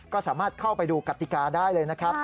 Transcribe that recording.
ก็สามารถเข้าไปดูกติกาได้เลยนะครับ